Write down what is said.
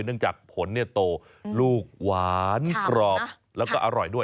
จากผลโตลูกหวานกรอบแล้วก็อร่อยด้วย